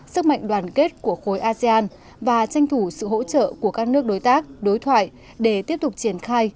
sức mạnh đoàn kết của khối asean và tranh thủ sự hỗ trợ của các nước đối tác đối thoại để tiếp tục triển khai